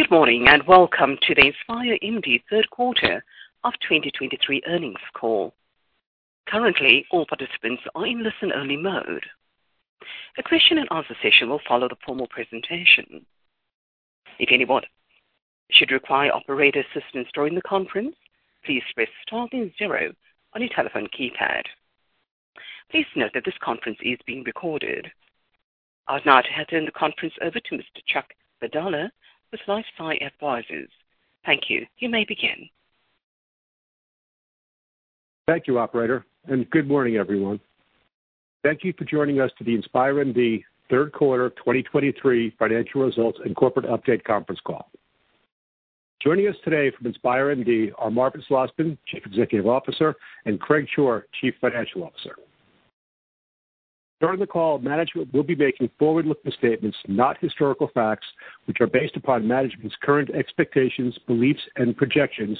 Good morning, and welcome to the InspireMD Q3 of 2023 earnings call. Currently, all participants are in listen-only mode. A question and answer session will follow the formal presentation. If anyone should require operator assistance during the conference, please press star then zero on your telephone keypad. Please note that this conference is being recorded. I'd now like to hand the conference over to Mr. Chuck Padala with LifeSci Advisors. Thank you. You may begin. Thank you, operator, and good morning, everyone. Thank you for joining us to the InspireMD Q3 2023 financial results and corporate update conference call. Joining us today from InspireMD are Marvin Slosman, Chief Executive Officer, and Craig Shore, Chief Financial Officer. During the call, management will be making forward-looking statements, not historical facts, which are based upon management's current expectations, beliefs, and projections,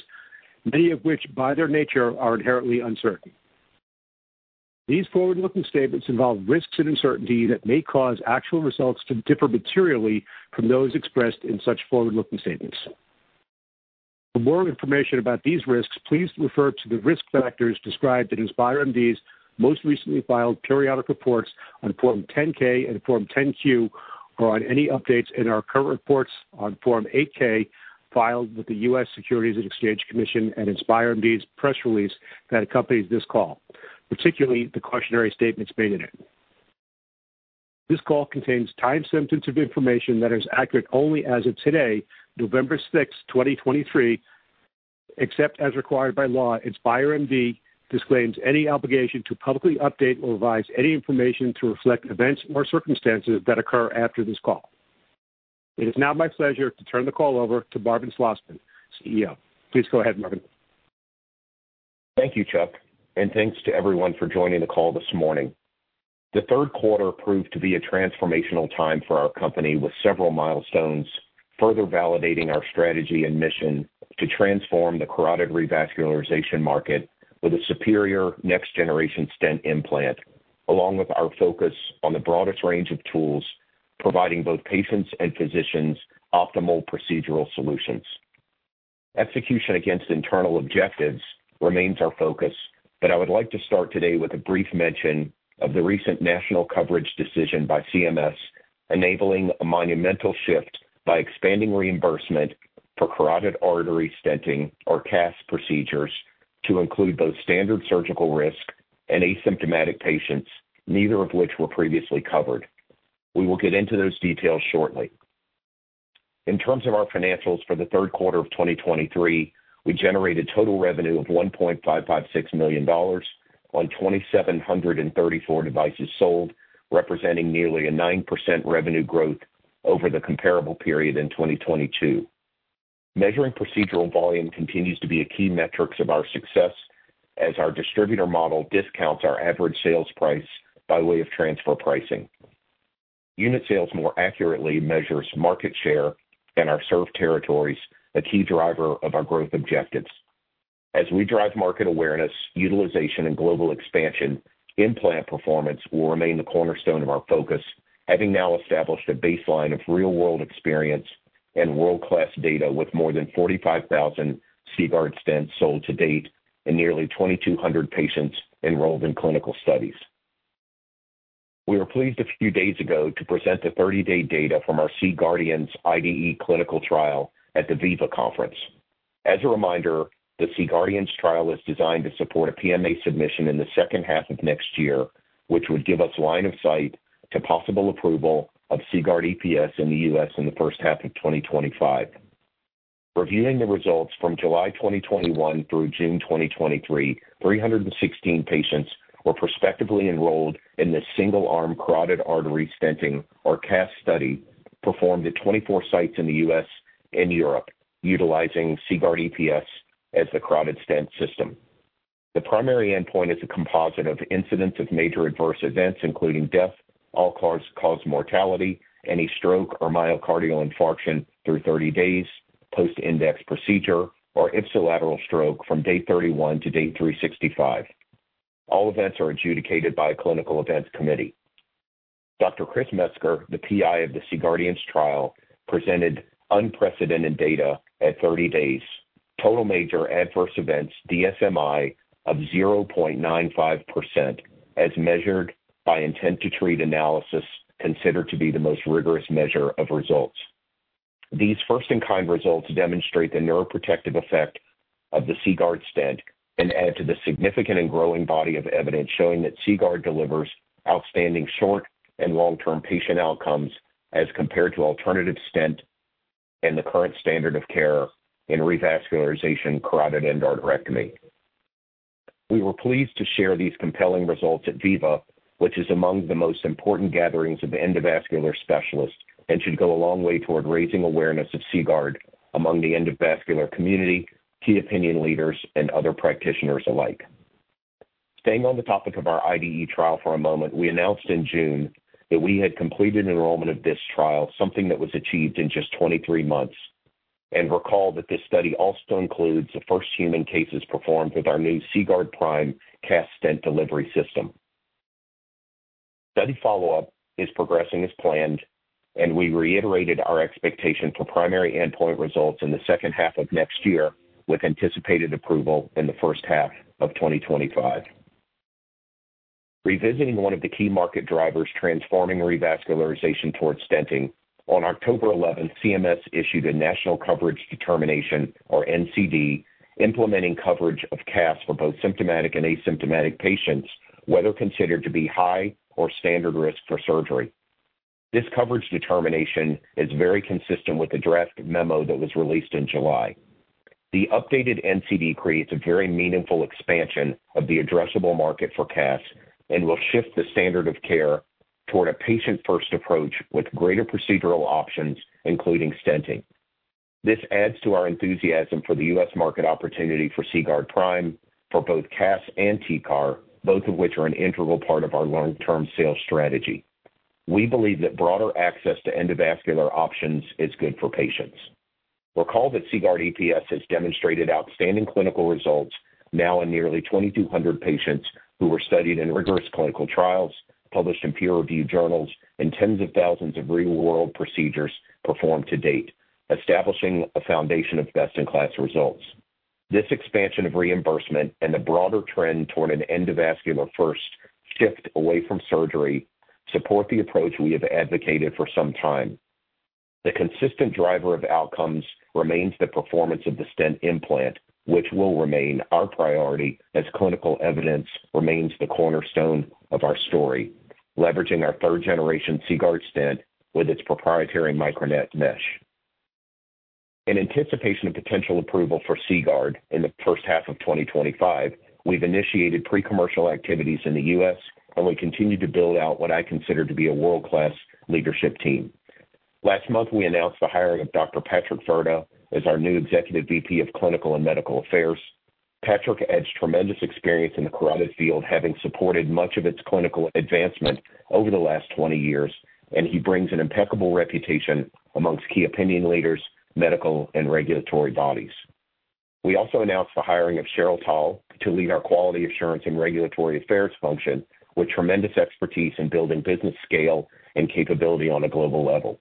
many of which, by their nature, are inherently uncertain. These forward-looking statements involve risks and uncertainty that may cause actual results to differ materially from those expressed in such forward-looking statements. For more information about these risks, please refer to the risk factors described in InspireMD's most recently filed periodic reports on Form 10-K and Form 10-Q, or on any updates in our current reports on Form 8-K, filed with the U.S. Securities and Exchange Commission and InspireMD's press release that accompanies this call, particularly the cautionary statements made in it. This call contains time-sensitive information that is accurate only as of today, November 6, 2023. Except as required by law, InspireMD disclaims any obligation to publicly update or revise any information to reflect events or circumstances that occur after this call. It is now my pleasure to turn the call over to Marvin Slosman, CEO. Please go ahead, Marvin. Thank you, Chuck, and thanks to everyone for joining the call this morning. The Q3 proved to be a transformational time for our company, with several milestones further validating our strategy and mission to transform the carotid revascularization market with a superior next-generation stent implant, along with our focus on the broadest range of tools, providing both patients and physicians optimal procedural solutions. Execution against internal objectives remains our focus, but I would like to start today with a brief mention of the recent national coverage decision by CMS, enabling a monumental shift by expanding reimbursement for carotid artery stenting, or CAS procedures, to include both standard surgical risk and asymptomatic patients, neither of which were previously covered. We will get into those details shortly. In terms of our financials for the Q3 of 2023, we generated total revenue of $1.556 million on 2,734 devices sold, representing nearly a 9% revenue growth over the comparable period in 2022. Measuring procedural volume continues to be a key metrics of our success as our distributor model discounts our average sales price by way of transfer pricing. Unit sales more accurately measures market share in our served territories, a key driver of our growth objectives. As we drive market awareness, utilization, and global expansion, implant performance will remain the cornerstone of our focus, having now established a baseline of real-world experience and world-class data, with more than 45,000 CGuard stents sold to date and nearly 2,200 patients enrolled in clinical studies. We were pleased a few days ago to present the 30-day data from our C-GUARDIANS IDE clinical trial at the VIVA conference. As a reminder, the C-GUARDIANS trial is designed to support a PMA submission in the second half of next year, which would give us line of sight to possible approval of CGuard EPS in the U.S. in the first half of 2025. Reviewing the results from July, 2021 through June 2023, 316 patients were prospectively enrolled in this single-arm carotid artery stenting, or CAS study, performed at 24 sites in the U.S. and Europe, utilizing CGuard EPS as the carotid stent system. The primary endpoint is a composite of incidents of major adverse events, including death, all-cause mortality, any stroke, or myocardial infarction through 30 days post-index procedure or ipsilateral stroke from day 31 to day 365. All events are adjudicated by a clinical events committee. Dr. Chris Metzger, the PI of the C-GUARDIANS trial, presented unprecedented data at 30 days. Total major adverse events, DSMI of 0.95%, as measured by intent to treat analysis, considered to be the most rigorous measure of results. These first-in-kind results demonstrate the neuroprotective effect of the CGuard stent and add to the significant and growing body of evidence showing that CGuard delivers outstanding short and long-term patient outcomes as compared to alternative stent and the current standard of care in revascularization carotid endarterectomy. We were pleased to share these compelling results at VIVA, which is among the most important gatherings of endovascular specialists and should go a long way toward raising awareness of CGuard among the endovascular community, key opinion leaders, and other practitioners alike. Staying on the topic of our IDE trial for a moment, we announced in June that we had completed enrollment of this trial, something that was achieved in just 23 months. Recall that this study also includes the first human cases performed with our new CGuard Prime CAS stent delivery system. Study follow-up is progressing as planned, and we reiterated our expectation for primary endpoint results in the second half of next year, with anticipated approval in the first half of 2025. Revisiting one of the key market drivers transforming revascularization towards stenting, on October 11, CMS issued a National Coverage Determination, or NCD, implementing coverage of CAS for both symptomatic and asymptomatic patients, whether considered to be high or standard risk for surgery. This coverage determination is very consistent with the draft memo that was released in July. The updated NCD creates a very meaningful expansion of the addressable market for CAS and will shift the standard of care toward a patient-first approach with greater procedural options, including stenting. This adds to our enthusiasm for the U.S. market opportunity for CGuard Prime for both CAS and TCAR, both of which are an integral part of our long-term sales strategy. We believe that broader access to endovascular options is good for patients. Recall that CGuard EPS has demonstrated outstanding clinical results now in nearly 2,200 patients who were studied in rigorous clinical trials, published in peer-reviewed journals, and tens of thousands of real-world procedures performed to date, establishing a foundation of best-in-class results. This expansion of reimbursement and the broader trend toward an endovascular first shift away from surgery support the approach we have advocated for some time. The consistent driver of outcomes remains the performance of the stent implant, which will remain our priority as clinical evidence remains the cornerstone of our story, leveraging our third generation CGuard stent with its proprietary MicroNet mesh. In anticipation of potential approval for CGuard in the first half of 2025, we've initiated pre-commercial activities in the U.S., and we continue to build out what I consider to be a world-class leadership team. Last month, we announced the hiring of Dr. Patrick Furtado as our new Executive VP of Clinical and Medical Affairs. Patrick adds tremendous experience in the carotid field, having supported much of its clinical advancement over the last 20 years, and he brings an impeccable reputation amongst key opinion leaders, medical and regulatory bodies. We also announced the hiring of Cheryl Tal to lead our Quality Assurance and Regulatory Affairs function, with tremendous expertise in building business scale and capability on a global level.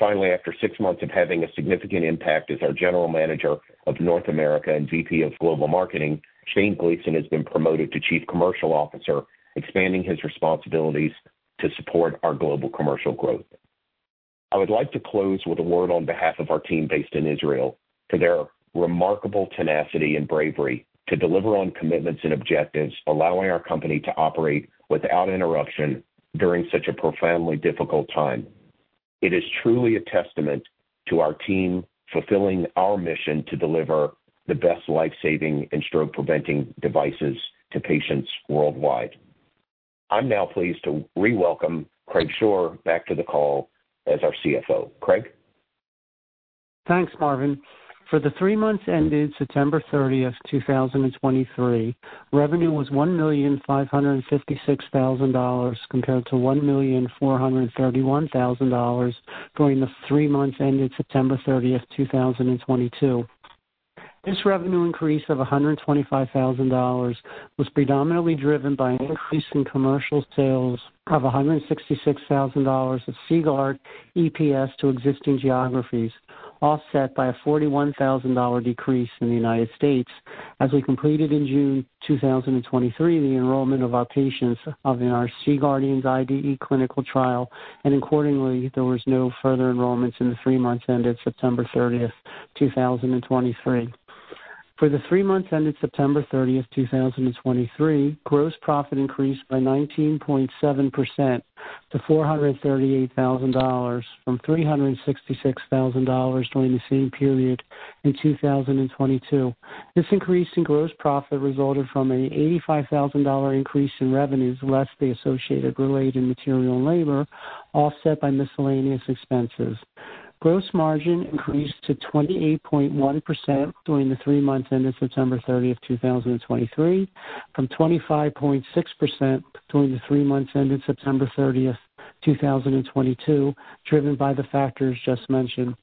Finally, after six months of having a significant impact as our General Manager of North America and VP of Global Marketing, Shane Gleason has been promoted to Chief Commercial Officer, expanding his responsibilities to support our global commercial growth. I would like to close with a word on behalf of our team based in Israel, for their remarkable tenacity and bravery to deliver on commitments and objectives, allowing our company to operate without interruption during such a profoundly difficult time. It is truly a testament to our team fulfilling our mission to deliver the best life-saving and stroke-preventing devices to patients worldwide. I'm now pleased to re-welcome Craig Shore back to the call as our CFO. Craig? Thanks, Marvin. For the three months ended September 30th, 2023, revenue was $1,556,000, compared to $1,431,000 during the three months ended September 30th, 2022. This revenue increase of $125,000 was predominantly driven by an increase in commercial sales of $166,000 of CGuard EPS to existing geographies, offset by a $41,000 decrease in the United States as we completed in June 2023, the enrollment of our patients of our C-GUARDIANS IDE clinical trial, and accordingly, there was no further enrollments in the three months ended September 30th, 2023. For the three months ended September 30, 2023, gross profit increased by 19.7% to $438,000 from $366,000 during the same period in 2022. This increase in gross profit resulted from an $85,000 increase in revenues, less the associated related material and labor, offset by miscellaneous expenses. Gross margin increased to 28.1% during the three months ended September 30, 2023, from 25.6% during the three months ended September 30, 2022, driven by the factors just mentioned.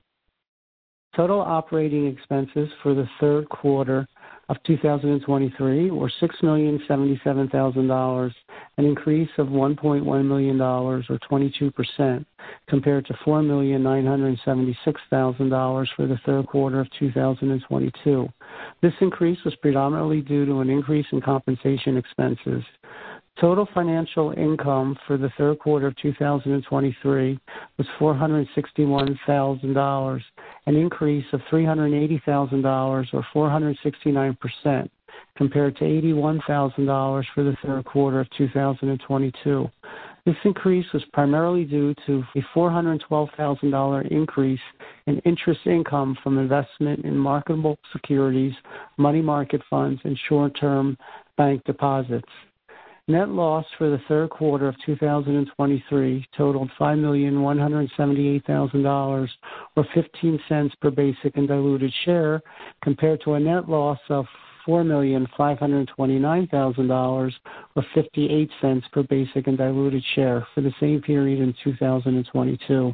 Total operating expenses for the Q3 of 2023 were $6,077,000, an increase of $1.1 million, or 22%, compared to $4,976,000 for the Q3 of 2022. This increase was predominantly due to an increase in compensation expenses. Total financial income for the Q3 of 2023 was $461,000, an increase of $380,000, or 469%, compared to $81,000 for the Q3 of 2022. This increase was primarily due to a $412,000 increase in interest income from investment in marketable securities, money market funds, and short-term bank deposits. Net loss for the Q3 of 2023 totaled $5.178 million, or $0.15 per basic and diluted share, compared to a net loss of $4,529,000, or $0.58 per basic and diluted share for the same period in 2022.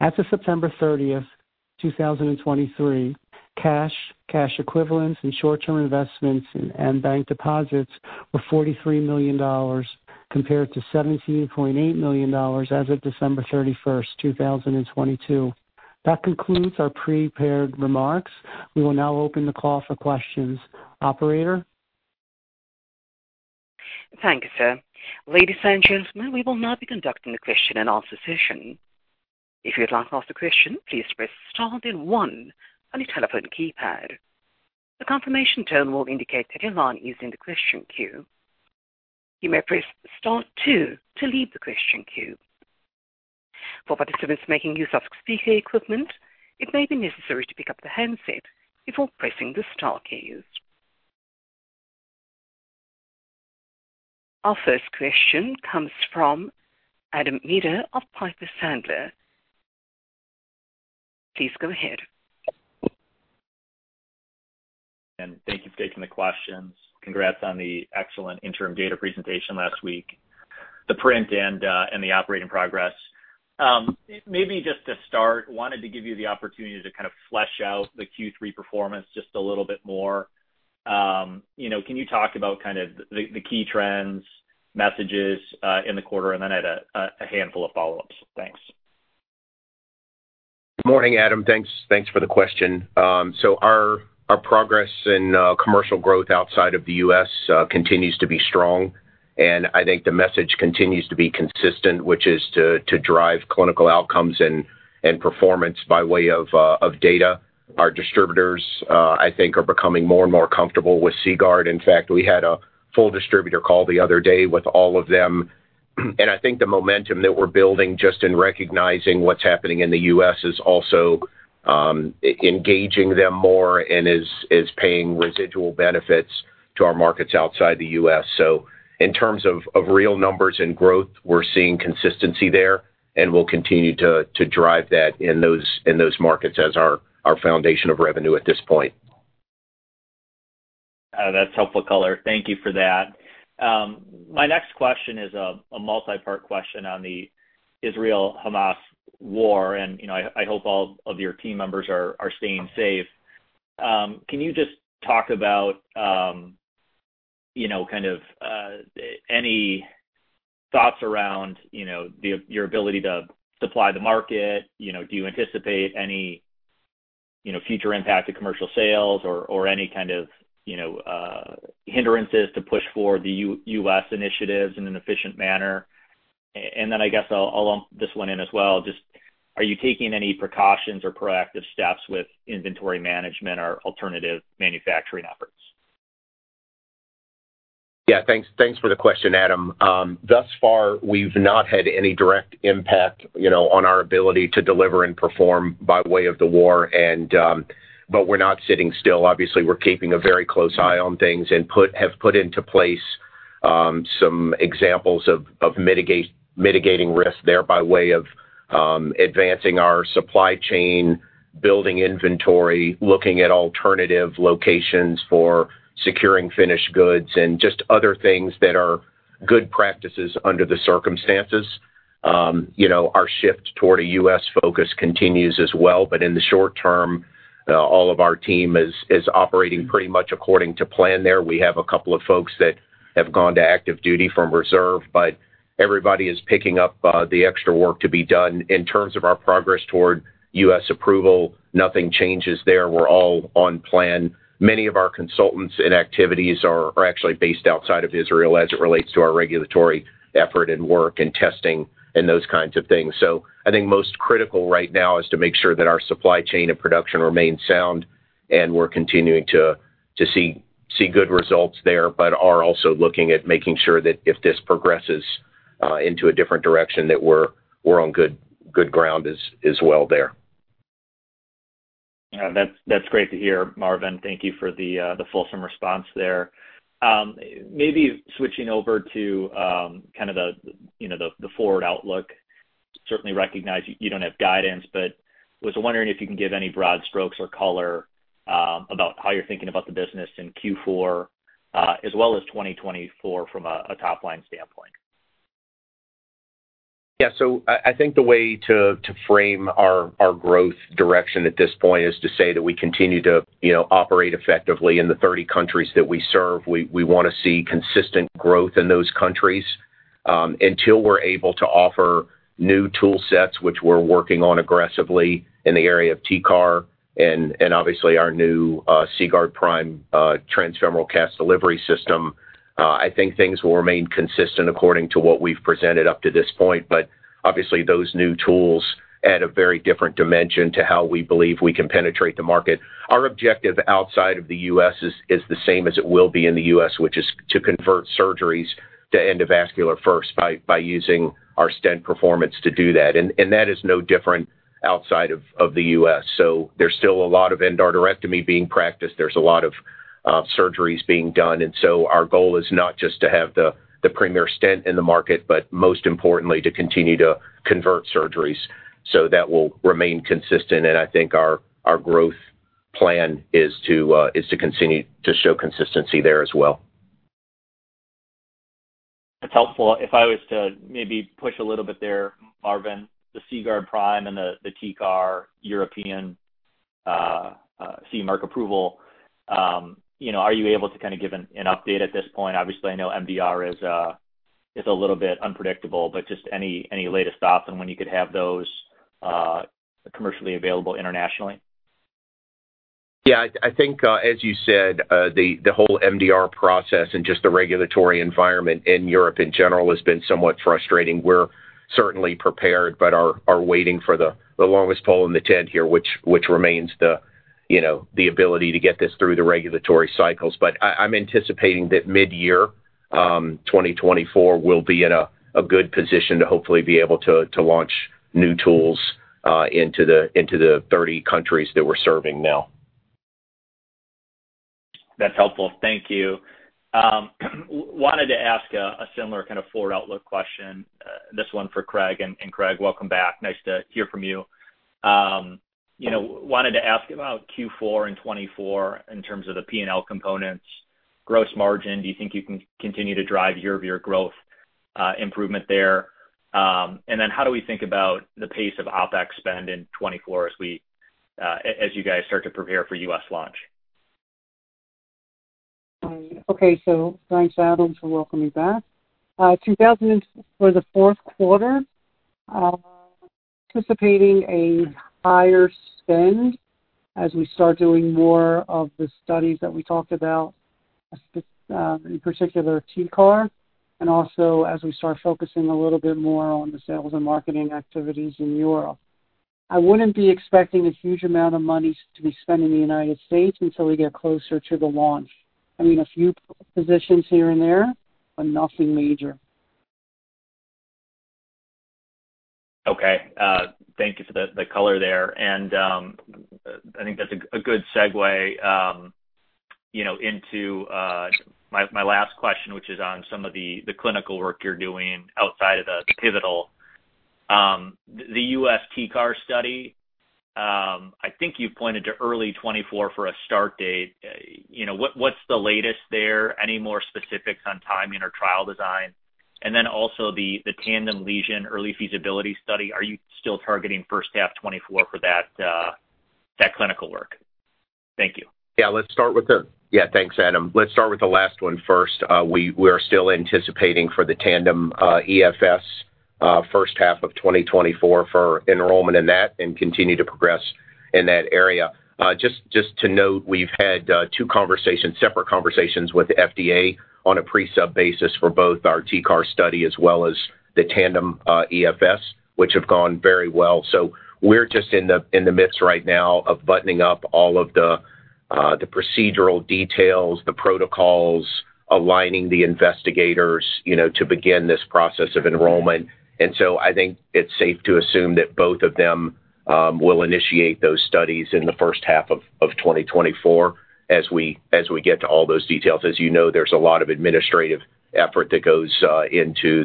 As of September 30, 2023, cash, cash equivalents, and short-term investments and bank deposits were $43 million, compared to $17.8 million as of December 31, 2022. That concludes our prepared remarks. We will now open the call for questions. Operator? Thank you, sir. Ladies and gentlemen, we will now be conducting a question-and-answer session. If you'd like to ask a question, please press star then one on your telephone keypad. A confirmation tone will indicate that your line is in the question queue. You may press star two to leave the question queue. For participants making use of speaker equipment, it may be necessary to pick up the handset before pressing the star key. Our first question comes from Adam Maeder of Piper Sandler. Please go ahead. Thank you for taking the questions. Congrats on the excellent interim data presentation last week, the print and the operating progress. Maybe just to start, wanted to give you the opportunity to kind of flesh out the Q3 performance just a little bit more. You know, can you talk about kind of the key trends, messages, in the quarter? And then I had a handful of follow-ups. Thanks. Good morning, Adam. Thanks for the question. So our progress in commercial growth outside of the U.S. continues to be strong, and I think the message continues to be consistent, which is to drive clinical outcomes and performance by way of data. Our distributors, I think, are becoming more and more comfortable with CGuard. In fact, we had a full distributor call the other day with all of them, and I think the momentum that we're building, just in recognizing what's happening in the U.S., is also engaging them more and is paying residual benefits to our markets outside the U.S. So in terms of real numbers and growth, we're seeing consistency there, and we'll continue to drive that in those markets as our foundation of revenue at this point. That's helpful color. Thank you for that. My next question is a multipart question on the Israel-Hamas war, and you know, I hope all of your team members are staying safe. Can you just talk about, you know, kind of, any thoughts around, you know, the your ability to supply the market? You know, do you anticipate any, you know, future impact to commercial sales or any kind of, you know, hindrances to push for the U.S. initiatives in an efficient manner? And then I guess I'll lump this one in as well. Just, are you taking any precautions or proactive steps with inventory management or alternative manufacturing efforts? Yeah. Thanks, thanks for the question, Adam. Thus far, we've not had any direct impact, you know, on our ability to deliver and perform by way of the war, and... But we're not sitting still. Obviously, we're keeping a very close eye on things and have put into place some examples of mitigating risk there by way of advancing our supply chain, building inventory, looking at alternative locations for securing finished goods, and just other things that are good practices under the circumstances. You know, our shift toward a U.S. focus continues as well, but in the short term, all of our team is operating pretty much according to plan there. We have a couple of folks that have gone to active duty from reserve, but everybody is picking up the extra work to be done. In terms of our progress toward U.S. approval, nothing changes there. We're all on plan. Many of our consultants and activities are actually based outside of Israel as it relates to our regulatory effort and work and testing and those kinds of things. So I think most critical right now is to make sure that our supply chain and production remain sound, and we're continuing to see good results there, but are also looking at making sure that if this progresses into a different direction, that we're on good ground as well there. That's, that's great to hear, Marvin. Thank you for the fulsome response there. Maybe switching over to kind of the, you know, the forward outlook. Certainly recognize you don't have guidance, but was wondering if you can give any broad strokes or color about how you're thinking about the business in Q4, as well as 2024 from a top-line standpoint. Yeah. So I think the way to frame our growth direction at this point is to say that we continue to, you know, operate effectively in the 30 countries that we serve. We wanna see consistent growth in those countries. Until we're able to offer new tool sets, which we're working on aggressively in the area of TCAR and obviously our new CGuard Prime transfemoral CAS delivery system, I think things will remain consistent according to what we've presented up to this point. But obviously, those new tools add a very different dimension to how we believe we can penetrate the market. Our objective outside of the U.S. is the same as it will be in the U.S., which is to convert surgeries to endovascular first by using our stent performance to do that, and that is no different outside of the U.S. So there's still a lot of endarterectomy being practiced. There's a lot of surgeries being done, and so our goal is not just to have the premier stent in the market, but most importantly, to continue to convert surgeries. So that will remain consistent, and I think our growth plan is to continue to show consistency there as well.... That's helpful. If I was to maybe push a little bit there, Marvin, the CGuard Prime and the TCAR European CE Mark approval, you know, are you able to kind of give an update at this point? Obviously, I know MDR is a little bit unpredictable, but just any latest thoughts on when you could have those commercially available internationally? Yeah, I think, as you said, the whole MDR process and just the regulatory environment in Europe in general has been somewhat frustrating. We're certainly prepared but are waiting for the longest pole in the tent here, which remains the, you know, the ability to get this through the regulatory cycles. But I'm anticipating that midyear 2024, we'll be in a good position to hopefully be able to launch new tools into the 30 countries that we're serving now. That's helpful. Thank you. Wanted to ask a similar kind of forward outlook question, this one for Craig. And Craig, welcome back. Nice to hear from you. You know, wanted to ask about Q4 in 2024, in terms of the P&L components. Gross margin, do you think you can continue to drive year-over-year growth, improvement there? And then how do we think about the pace of OpEx spend in 2024 as we, as you guys start to prepare for US launch? Okay, so thanks, Adam, for welcoming me back. For the Q4, anticipating a higher spend as we start doing more of the studies that we talked about, in particular TCAR, and also as we start focusing a little bit more on the sales and marketing activities in Europe. I wouldn't be expecting a huge amount of money to be spent in the United States until we get closer to the launch. I mean, a few positions here and there, but nothing major. Okay. Thank you for the color there. And I think that's a good segue, you know, into my last question, which is on some of the clinical work you're doing outside of the pivotal. The U.S. TCAR study, I think you've pointed to early 2024 for a start date. You know, what's the latest there? Any more specifics on timing or trial design? And then also the Tandem lesion early feasibility study, are you still targeting first half 2024 for that clinical work? Thank you. Yeah, thanks, Adam. Let's start with the last one first. We are still anticipating for the Tandem EFS first half of 2024 for enrollment in that and continue to progress in that area. Just to note, we've had two conversations, separate conversations with the FDA on a pre-sub basis for both our TCAR study as well as the TANDEM EFS, which have gone very well. So we're just in the midst right now of buttoning up all of the procedural details, the protocols, aligning the investigators, you know, to begin this process of enrollment. And so I think it's safe to assume that both of them will initiate those studies in the first half of 2024 as we get to all those details. As you know, there's a lot of administrative effort that goes into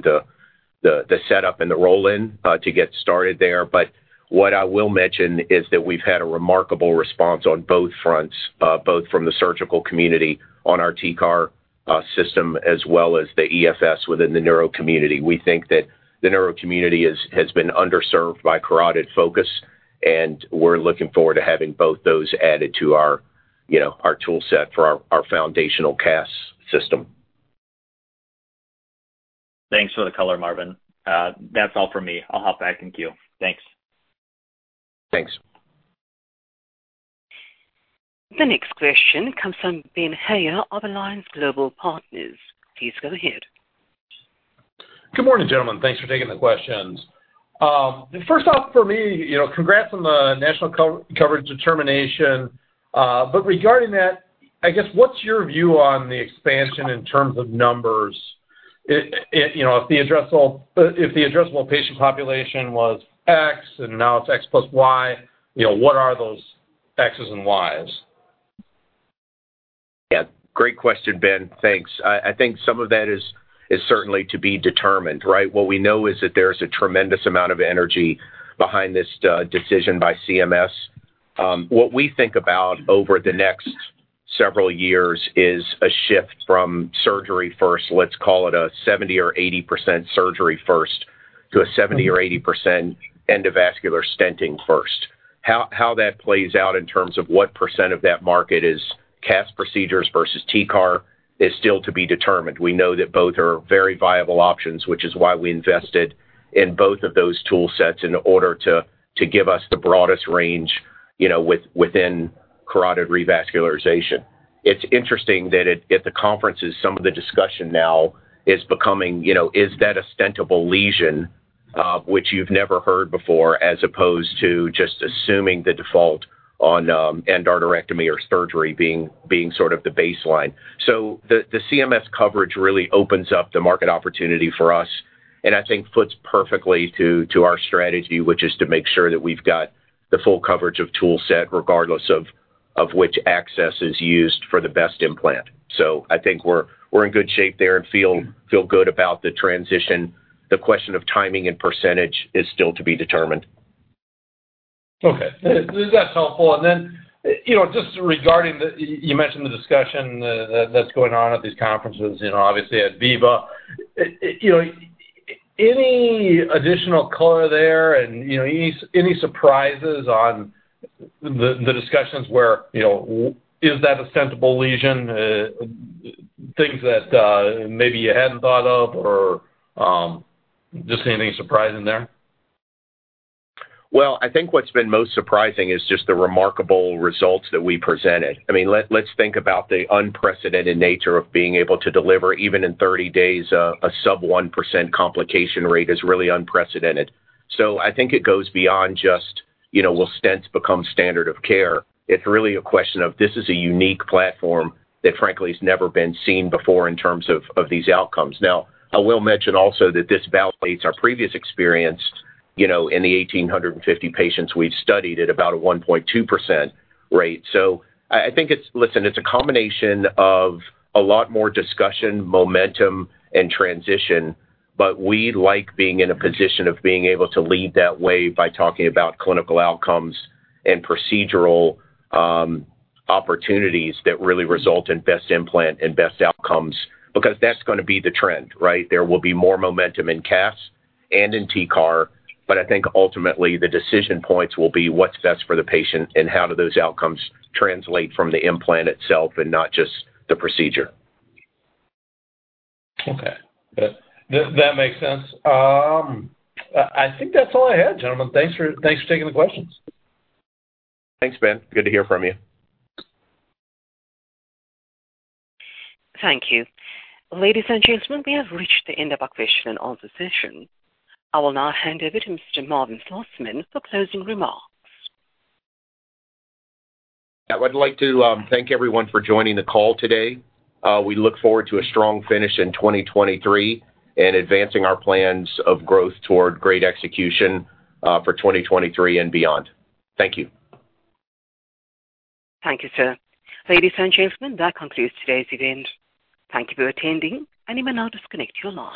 the setup and the roll-in to get started there. But what I will mention is that we've had a remarkable response on both fronts, both from the surgical community on our TCAR system, as well as the EFS within the neuro community. We think that the neuro community has been underserved by carotid focus, and we're looking forward to having both those added to our, you know, our toolset for our foundational CAS system. Thanks for the color, Marvin. That's all for me. I'll hop back. Thank you. Thanks. Thanks. The next question comes from Ben Haynor of Alliance Global Partners. Please go ahead. Good morning, gentlemen. Thanks for taking the questions. First off, for me, you know, congrats on the national coverage determination. But regarding that, I guess what's your view on the expansion in terms of numbers? It, you know, if the addressable patient population was X and now it's X plus Y, you know, what are those Xs and Ys? Yeah, great question, Ben. Thanks. I think some of that is certainly to be determined, right? What we know is that there's a tremendous amount of energy behind this decision by CMS. What we think about over the next several years is a shift from surgery first, let's call it a 70% or 80% surgery first, to a 70% or 80% endovascular stenting first. How that plays out in terms of what percent of that market is CAS procedures versus TCAR is still to be determined. We know that both are very viable options, which is why we invested in both of those tool sets in order to give us the broadest range, you know, within carotid revascularization. It's interesting that at the conferences, some of the discussion now is becoming, you know, is that a stentable lesion, which you've never heard before, as opposed to just assuming the default on endarterectomy or surgery being sort of the baseline. So the CMS coverage really opens up the market opportunity for us, and I think fits perfectly to our strategy, which is to make sure that we've got the full coverage of tool set regardless of which access is used for the best implant. So I think we're in good shape there and feel good about the transition. The question of timing and percentage is still to be determined. ... Okay, that's helpful. And then, you know, just regarding the discussion that's going on at these conferences, you know, obviously, at VIVA. You know, any additional color there and, you know, any surprises on the discussions where, you know, is that a stentable lesion? Things that maybe you hadn't thought of, or just anything surprising there? Well, I think what's been most surprising is just the remarkable results that we presented. I mean, let's think about the unprecedented nature of being able to deliver, even in 30 days, a sub 1% complication rate is really unprecedented. So I think it goes beyond just, you know, will stents become standard of care? It's really a question of this is a unique platform that, frankly, has never been seen before in terms of, of these outcomes. Now, I will mention also that this validates our previous experience, you know, in the 1,850 patients we've studied at about a 1.2% rate. I think it's. Listen, it's a combination of a lot more discussion, momentum, and transition, but we like being in a position of being able to lead that way by talking about clinical outcomes and procedural opportunities that really result in best implant and best outcomes, because that's going to be the trend, right? There will be more momentum in CAS and in TCAR, but I think ultimately the decision points will be what's best for the patient and how do those outcomes translate from the implant itself and not just the procedure. Okay. That makes sense. I think that's all I had, gentlemen. Thanks for taking the questions. Thanks, Ben. Good to hear from you. Thank you. Ladies and gentlemen, we have reached the end of our question and answer session. I will now hand over to Mr. Marvin Slosman for closing remarks. I would like to thank everyone for joining the call today. We look forward to a strong finish in 2023 and advancing our plans of growth toward great execution for 2023 and beyond. Thank you. Thank you, sir. Ladies and gentlemen, that concludes today's event. Thank you for attending, and you may now disconnect your line.